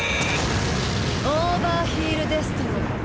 オーバーヒールデストロイ。